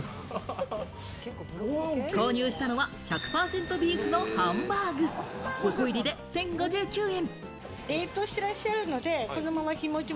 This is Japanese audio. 購入したのは１００％ビーフのハンバーグ、５個入りで１０５９円。